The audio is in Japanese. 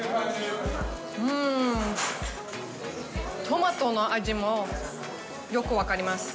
トマトの味もよく分かります。